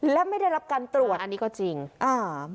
และไม่ได้รับการตรวจอันนี้ก็จริงอ่า